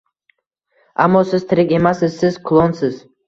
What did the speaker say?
Ammo siz tirik emassiz, siz klonsiz